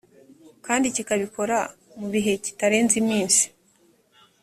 kandi kikabikora mu gihe kitarenze iminsi